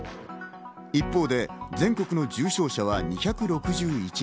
一方で全国の重症者は２６１人。